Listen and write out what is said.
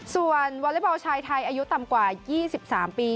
ส่วนวอเล็กบอลชายไทยอายุต่ำกว่า๒๓ปี